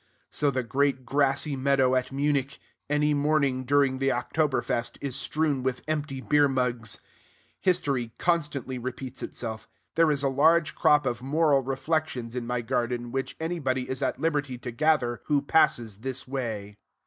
So the great grassy meadow at Munich, any morning during the October Fest, is strewn with empty beermugs. History constantly repeats itself. There is a large crop of moral reflections in my garden, which anybody is at liberty to gather who passes this way.